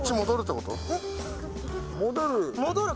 ・戻る？